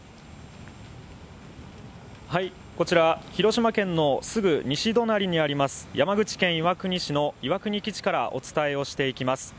こちら広島県のすぐ西隣にあります、山口県岩国市の岩国基地からお伝えしていきます。